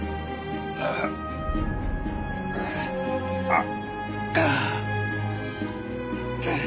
ああ！